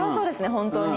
本当に。